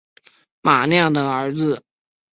马亮的儿子